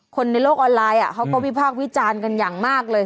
ในโลกออนไลน์เขาก็วิพากษ์วิจารณ์กันอย่างมากเลย